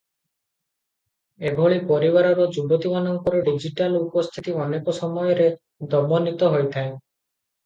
ଏଭଳି ପରିବାରର ଯୁବତୀମାନଙ୍କର ଡିଜିଟାଲ ଉପସ୍ଥିତି ଅନେକ ସମୟରେ ଦମନିତ ହୋଇଥାଏ ।